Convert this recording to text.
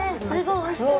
おいしそう。